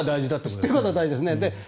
知ってることは大事ですね。